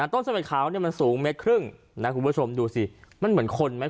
ต้นเสม็ดขาวเนี่ยมันสูงเมตรครึ่งนะคุณผู้ชมดูสิมันเหมือนคนไหม